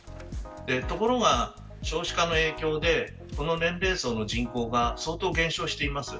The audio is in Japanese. ところが少子化の影響でこの年齢層の人口が相当減少しています。